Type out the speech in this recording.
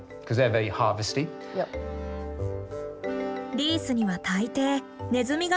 リースには大抵ネズミがのっている。